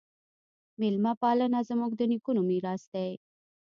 میلمه پالنه زموږ د نیکونو میراث دی.